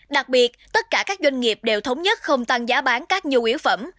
đặc biệt tất cả các doanh nghiệp đều thống nhất không tăng giá bán các nhu yếu phẩm